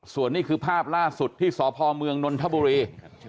ส่วนนี้คือภาพล่าสุดที่สพเมืองนนทบุรี